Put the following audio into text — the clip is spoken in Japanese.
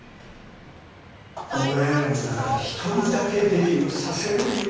お前らの中で１人だけデビューさせる言うたけどな。